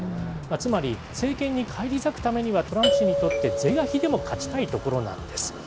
つまり、政権に返り咲くためには、トランプ氏にとって、是が非でも勝ちたい所なんです。